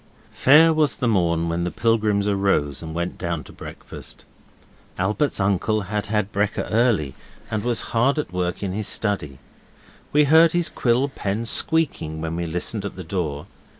Fair was the morn when the pilgrims arose and went down to breakfast. Albert's uncle had had brekker early and was hard at work in his study. We heard his quill pen squeaking when we listened at the door.